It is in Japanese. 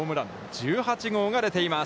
１８号が出ています。